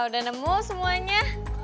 udah nemu semuanya